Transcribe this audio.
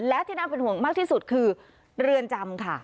และที่น่าเป็นห่วงมากที่สุดคือเรือนจำค่ะ